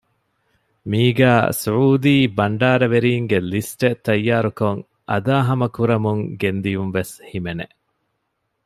މީގައި ސުޢޫދީ ބަންޑާރަވެރީންގެ ލިސްޓެއް ތައްޔާރުކޮށް އަދާހަމަކުރަމުން ގެންދިޔުން ވެސް ހިމެނެ